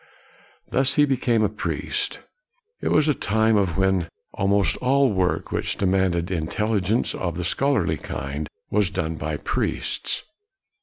Thus he became a priest. It was a time 124 KNOX when almost all work which demanded intelligence of the scholarly kind was done by priests.